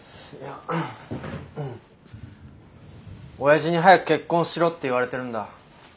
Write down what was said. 親父に早く結婚しろって言われてるんだ。